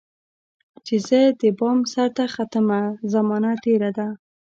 چي زه دبام سرته ختمه، زمانه تیره ده